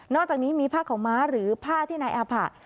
อกจากนี้มีผ้าขาวม้าหรือผ้าที่นายอาผะ